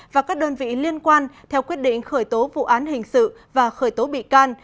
và các đơn vị liên quan theo quyết định khởi tố vụ án hình sự và khởi tố bị can